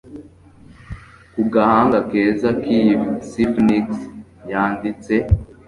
Ku gahanga keza kiyi sphinx yanditse